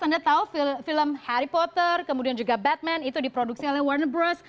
anda tahu film harry potter kemudian juga batman itu diproduksi oleh warnebrost